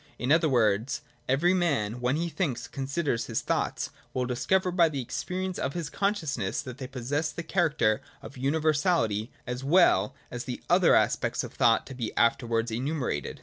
In other words, every man, when he thinks and considers his thoughts, will discover by the experience of his consciousness that they possess the character of universality as well as the other aspects of thought to be aftenvards enumerated.